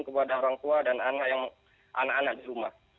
kepada orang tua dan anak anak di rumah